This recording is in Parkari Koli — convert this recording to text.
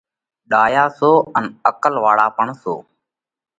ڏايا سو ان عقل واۯا پڻ سو۔